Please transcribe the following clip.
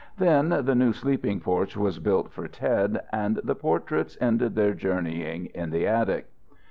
Then the new sleeping porch was built for Ted, and the portraits ended their journeying in the attic.